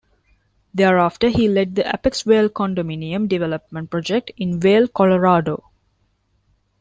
Thereafter, he led the Apex Vail condominium development project in Vail, Colorado.